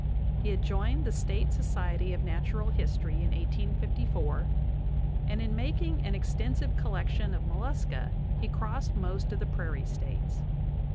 He had joined the State Society of Natural History in 1854, and in making an extensive collection of mollusca he crossed most of the prairie States.